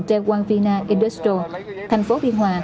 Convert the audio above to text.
treo quang vina industrial tp biên hòa